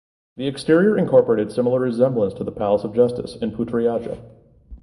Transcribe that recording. The exterior incorporated similar resemblance to the Palace of Justice at Putrajaya.